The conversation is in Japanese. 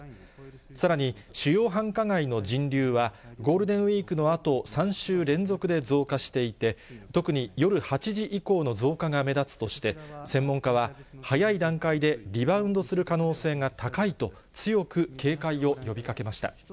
さらに主要繁華街の人流はゴールデンウィークのあと、３週連続で増加していて、特に夜８時以降の増加が目立つとして、専門家は、早い段階でリバウンドする可能性が高いと強く警戒を呼びかけました。